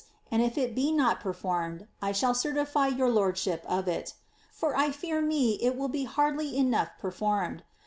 and if it be not performed, I shall certify your lordship of it. For I fear me it will be hardly enough performed.